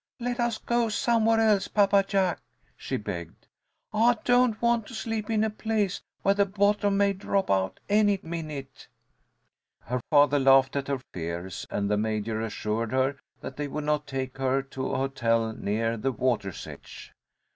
"Let us go somewhere else, Papa Jack," she begged. "I don't want to sleep in a place where the bottom may drop out any minute." Her father laughed at her fears, and the Major assured her that they would not take her to a hotel near the water's edge.